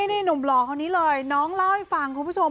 นี่หนุ่มหล่อคนนี้เลยน้องเล่าให้ฟังคุณผู้ชม